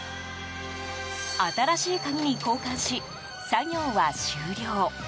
新しい鍵に交換し、作業は終了。